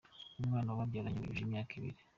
Umwana babyaranye ubu yujuje imyaka ibiri.